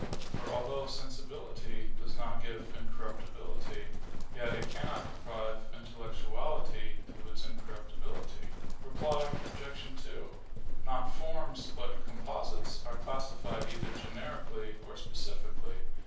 For although sensibility does not give incorruptibility, yet it cannot deprive intellectuality of its incorruptibility. Reply Obj. 2: Not forms, but composites, are classified either generically or specifically.